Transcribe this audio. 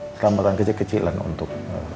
selamatkan kerja kecilan untuk